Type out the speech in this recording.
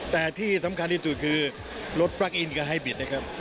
แต่ที่สำคัญที่สุดคือรถปลั๊กอินก็ให้บิดนะครับ